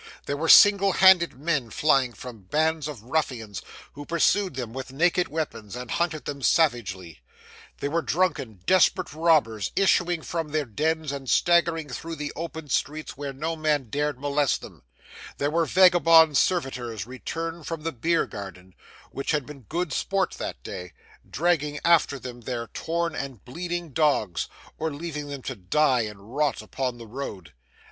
There were single handed men flying from bands of ruffians, who pursued them with naked weapons, and hunted them savagely; there were drunken, desperate robbers issuing from their dens and staggering through the open streets where no man dared molest them; there were vagabond servitors returning from the Bear Garden, where had been good sport that day, dragging after them their torn and bleeding dogs, or leaving them to die and rot upon the road.